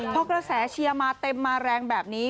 พอกระแสเชียร์มาเต็มมาแรงแบบนี้